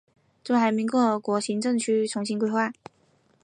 中华人民共和国行政区重新区划。